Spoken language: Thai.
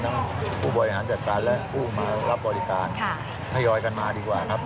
ผู้บริหารจัดการและผู้มารับบริการทยอยกันมาดีกว่าครับ